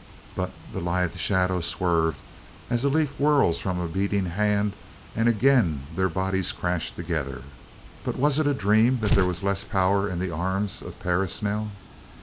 But the lithe shadow swerved as a leaf whirls from a beating hand and again their bodies crashed together. But was it a dream that there was less power in the arms of Perris now?